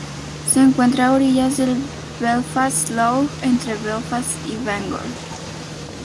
Se encuentra a orillas del Belfast Lough, entre Belfast y Bangor.